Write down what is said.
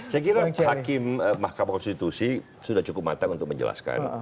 saya kira hakim mahkamah konstitusi sudah cukup matang untuk menjelaskan